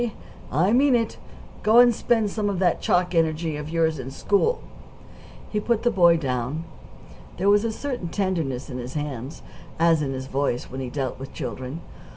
"I mean it. Go and spend some of that chalk energy of yours in school." He put the boy down. There was a certain tenderness in his hands, as in his voice, when he dealt with children.